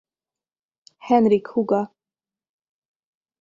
Henrik húga.